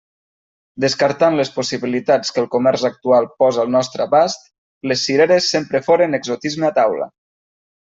Descartant les possibilitats que el comerç actual posa al nostre abast, les cireres sempre foren exotisme a taula.